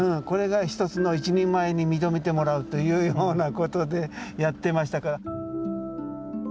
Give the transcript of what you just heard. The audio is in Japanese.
これがひとつの一人前に認めてもらうというようなことでやってましたから。